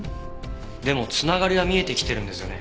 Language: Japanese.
でもつながりは見えてきてるんですよね？